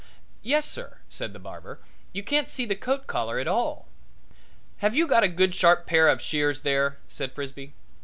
"Yes, sir," said the barber. "You can't see the coat collar at all." "Have you got a good sharp pair of shears there?" said Frisbee.